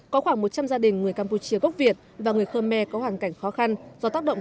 có khoảng một trăm linh gia đình người campuchia gốc việt và người khơ me có hoàn cảnh khó khăn do tác động